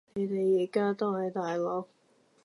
你哋而家都喺大陸？